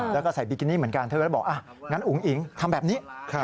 แล้วก็ใส่บิกินิเหมือนกันเขาก็เลยบอกอุ๋งอิ๋งทำแบบนี้